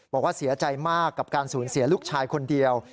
บอกว่าเสียใจมากกับการสูญเสียลูกชายคนเดียว